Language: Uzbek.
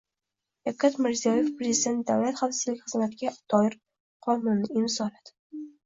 Shavkat Mirziyoyev Prezident Davlat xavfsizlik xizmatiga doir qonunni imzoladi